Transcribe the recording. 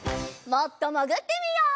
もっともぐってみよう。